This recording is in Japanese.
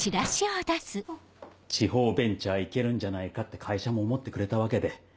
地方ベンチャー行けるんじゃないかって会社も思ってくれたわけで。